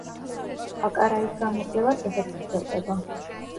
აკარაის გამოკვლევა დღესაც გრძელდება.